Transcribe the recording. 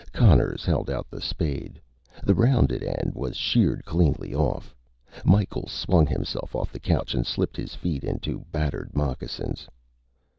Conners held out the spade. The rounded end was sheared cleanly off. Micheals swung himself off the couch and slipped his feet into battered moccasins.